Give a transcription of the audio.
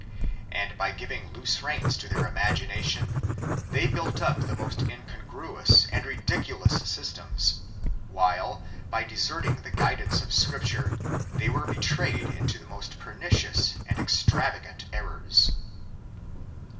And by giving loose reins to their imagination, they built up the most incongruous and ridiculous systems ; while, by deserting the guidance of Scripture, they were betrayed into the most per nicious and extravagant errors.